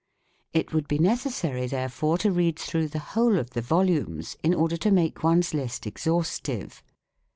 It would be necessary, therefore, to read through the whole of the volumes in order to make one's list exhaustive.